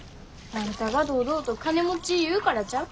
あんたが堂々と金持ち言うからちゃう？